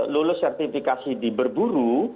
lulus sertifikasi di berburu